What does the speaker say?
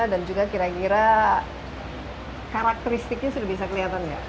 dan juga kira kira karakteristiknya sudah bisa kelihatan nggak